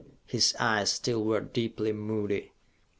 His eyes still were deeply moody.